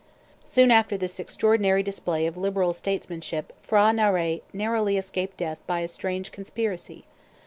Soon after this extraordinary display of liberal statesmanship P'hra Narai narrowly escaped death by a strange conspiracy.